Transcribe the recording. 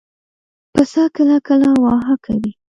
پسه کله کله واهه کوي.